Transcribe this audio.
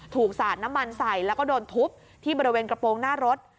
สาดน้ำมันใส่แล้วก็โดนทุบที่บริเวณกระโปรงหน้ารถ